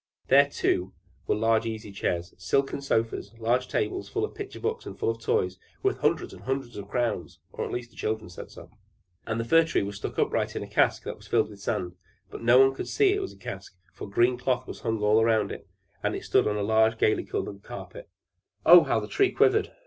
There, too, were large easy chairs, silken sofas, large tables full of picture books and full of toys, worth hundreds and hundreds of crowns at least the children said so. And the Fir Tree was stuck upright in a cask that was filled with sand; but no one could see that it was a cask, for green cloth was hung all round it, and it stood on a large gaily colored carpet. Oh! how the Tree quivered!